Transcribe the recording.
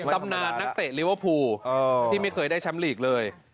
ตำนานนักเตะลิเวอร์พูลที่ไม่เคยได้แชมป์ลีกเลย